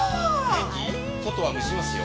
検事外は蒸しますよ。